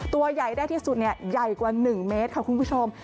ตัวใหญ่ได้ที่สุดใหญ่กว่า๑เมตรค่ะคุณผู้ชม